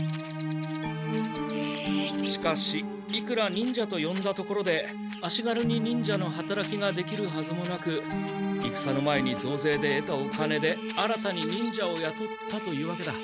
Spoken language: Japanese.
しかしいくら忍者とよんだところで足軽に忍者のはたらきができるはずもなくいくさの前に増税で得たお金で新たに忍者をやとったというわけだ。